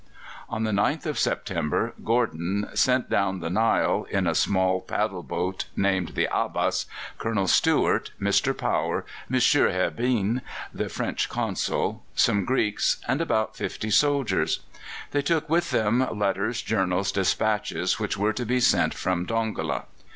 On the 9th of September Gordon sent down the Nile, in a small paddle boat named the Abbas, Colonel Stewart, Mr. Power, M. Herbin, the French Consul, some Greeks, and about fifty soldiers. They took with them letters, journals, dispatches which were to be sent from Dongola.